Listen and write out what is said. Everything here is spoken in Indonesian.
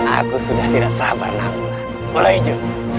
aku sudah tidak sabar nawangula